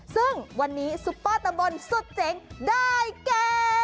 ซึ่งวันนี้ซุปเปอร์ตำบลสุดเจ๋งได้แก่